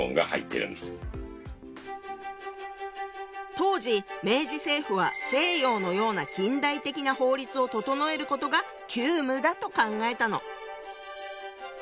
当時明治政府は西洋のような近代的な法律を整えることが急務だと考えたの。